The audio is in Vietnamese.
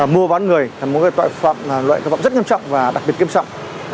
mua bán người là một loại tội phạm rất nghiêm trọng và đặc biệt kiếm sọng